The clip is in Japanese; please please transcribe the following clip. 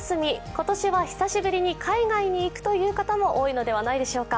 今年は久しぶりに海外に行くという方も多いのではないでしょうか。